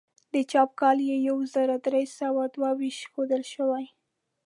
د چاپ کال یې یو زر درې سوه دوه ویشت ښودل شوی.